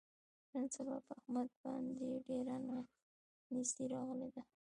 نن سبا په احمد باندې ډېره نیستي راغلې ده.